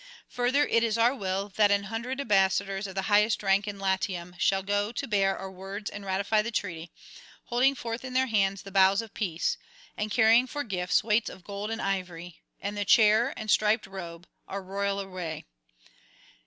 Further, it is our will that an hundred ambassadors of the highest rank in Latium shall go to bear our words and ratify the treaty, holding forth in their hands the boughs of peace, and carrying for gifts weight of gold and ivory, and the chair and striped robe, our royal array.